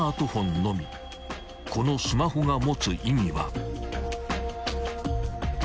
［このスマホが持つ意味は］